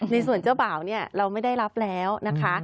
ในส่วนเจ้าบ่าวเนี่ยเราไม่ได้รับแล้วนะคะ